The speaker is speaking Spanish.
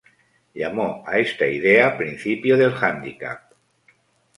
Llamó a esta idea principio del handicap.